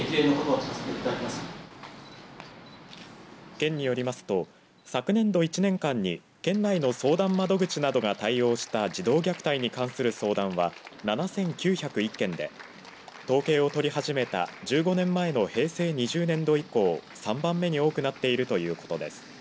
県によりますと昨年度１年間に県内の相談窓口などが対応した児童虐待に関する相談は７９０１件で統計を取り始めた１５年前の平成２０年度以降３番目に多くなっているということです。